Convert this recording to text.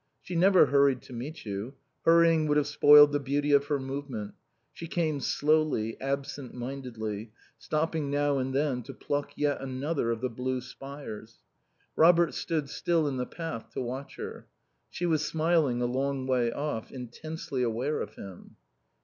She never hurried to meet you; hurrying would have spoiled the beauty of her movement; she came slowly, absent mindedly, stopping now and then to pluck yet another of the blue spires. Robert stood still in the path to watch her. She was smiling a long way off, intensely aware of him.